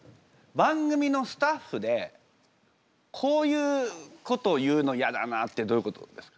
番組のスタッフでこういうこと言うのイヤだなってどういうことですか？